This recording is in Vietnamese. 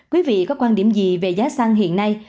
quý vị có quan điểm gì về giá xăng hiện nay